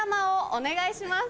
お願いします！